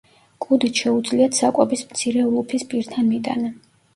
კუდით შეუძლიათ საკვების მცირე ულუფის პირთან მიტანა.